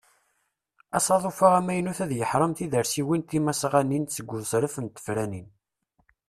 Asaḍuf-a amaynut ad yeḥrem tidersiwin timasɣanin seg uzref n tefranin.